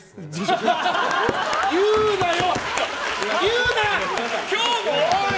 言うなよ！